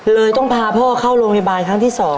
เลยต้องพาพ่อเข้าโรงพยาบาลครั้งที่๒